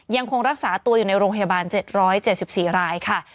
ยังคงรักษาตัวอยู่ในโรงพยาบาล๗๗๔รายค่ะ